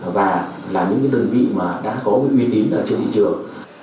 và là những cái đơn vị mà đã có cái uy tín ở trên thị trường